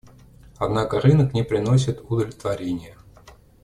Однако рынок не приносит удовлетворения.